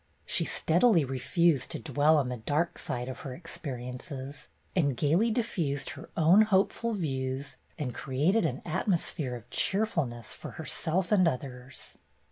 She steadily refused to dwell on the dark side of her ex periences, and gayly diffused her own hopeful views and created an atmosphere of cheerful ness for herself and others.